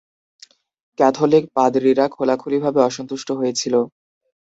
Catholic পাদরিরা খোলাখুলিভাবে অসন্তুষ্ট হয়েছিল।